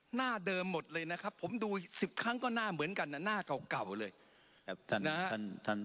หน้าเดิมหมดเลยนะครับผมดู๑๐ครั้งก็หน้าเหมือนกันนะหน้าเก่าเลย